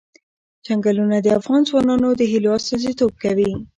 چنګلونه د افغان ځوانانو د هیلو استازیتوب کوي.